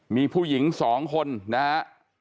มีผู้หญิง๒คนนะครับ